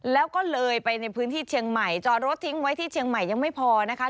แล้วก็เลยไปในพื้นที่เชียงใหม่จอดรถทิ้งไว้ที่เชียงใหม่ยังไม่พอนะคะ